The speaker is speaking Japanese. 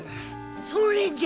それじゃ！